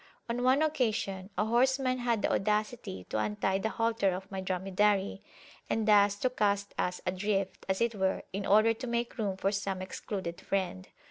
On one occasion a horseman had the audacity to untie the halter of my dromedary, and thus to cast us adrift, as it were, in order to make room for some excluded friend.